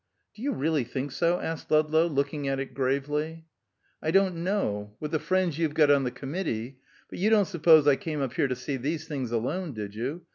"Do you really think so?" asked Ludlow, looking at it gravely. "I don't know. With the friends you've got on the Committee But you don't suppose I came up here to see these things alone, did you?